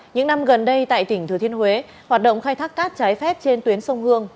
những năm gần đây tại tỉnh thừa thiên huế hoạt động khai thác cát trái phép trên tuyến sông hương